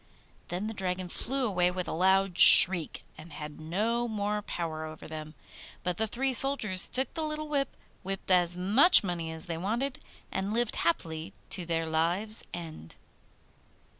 Then the Dragon flew away with a loud shriek, and had no more power over them. But the three soldiers took the little whip, whipped as much money as they wanted, and lived happily to their lives end.